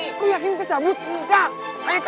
sekarang masuk ke mobil